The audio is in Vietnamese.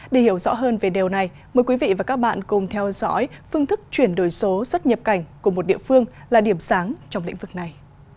để hiểu rõ hơn về điều này mời quý vị và các bạn cùng theo dõi phương thức chuyển đổi số xuất nhập cảnh của một địa phương là điểm sáng trong lĩnh vực này